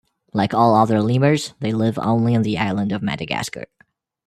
Like all other lemurs, they live only on the island of Madagascar.